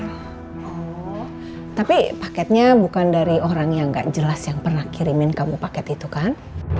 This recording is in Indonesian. tapi paketnya bukan dari orang yang gak jelas yang pernah kirimin kamu paket itu kan